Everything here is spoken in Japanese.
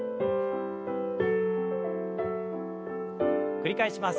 繰り返します。